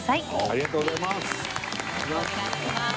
ありがとうございます。